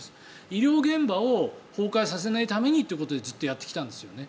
医療現場を崩壊させないためにということでずっとやってきたんですよね。